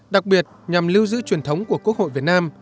đặc biệt nhằm lưu giữ truyền thống của quốc hội việt nam